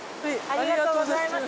ありがとうございます。